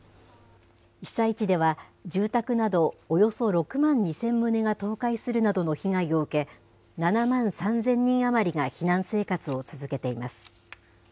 被災地では、住宅などおよそ６万２０００棟が倒壊するなどの被害を受け、７万３０００人余りが避難生活を続けています。